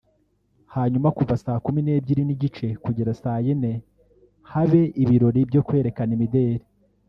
hanyuma kuva saa kumi n’ebyiri n’igice kugeza saa yine habe ibirori byo kwerekana imideli